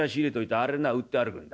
あれな売って歩くんだ。